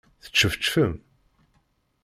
Teččefčfem?